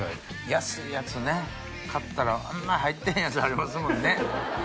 安いやつね買ったらあんま入ってへんやつありますもんね。